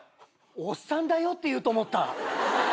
おっさんだよって言うと思った。